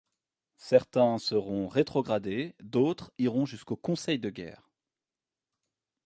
Certains seront rétrogradés, d'autres iront jusqu'au conseil de guerre.